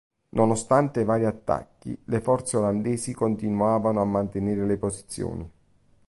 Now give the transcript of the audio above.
Nonostante vari attacchi le forze olandesi continuavano a mantenere le posizioni.